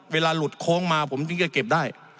เวลาหลุดโค้งมาผมถึงจะเก็บได้